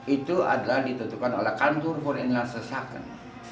itu adalah ditentukan oleh kantor for inlansesakan